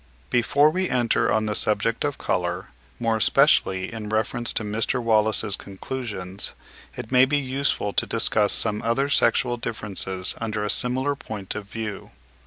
Before we enter on the subject of colour, more especially in reference to Mr. Wallace's conclusions, it may be useful to discuss some other sexual differences under a similar point of view.